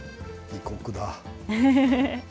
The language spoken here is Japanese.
異国だ。